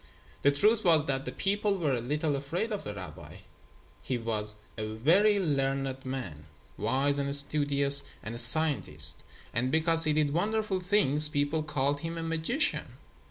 The truth was that the people were a little afraid of the rabbi. He was a very learned man, wise and studious, and a scientist; and because he did wonderful things people called him a magician.